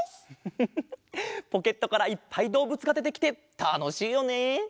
フフフフポケットからいっぱいどうぶつがでてきてたのしいよね！